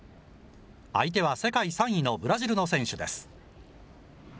相手は世界３位のブラジルの選手です。